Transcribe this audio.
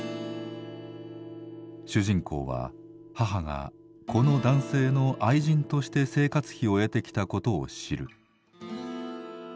主人公は母がこの男性の「愛人」として生活費を得てきたことを知る。